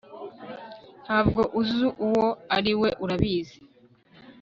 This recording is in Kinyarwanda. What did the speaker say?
Ntabwo uzi uwo ari we urabizi